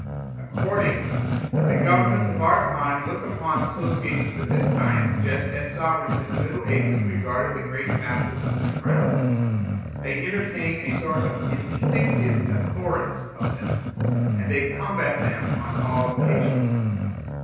Accordingly, the governments of our time look upon associations of this kind just as sovereigns in the Middle Ages regarded the great vassals of the Crown: they entertain a sort of instinctive abhorrence of them, and they combat them on all occasions.